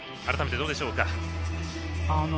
改めてどうでしょうか？